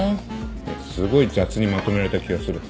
えっすごい雑にまとめられた気がする。